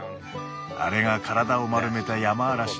あれが体を丸めたヤマアラシだよ。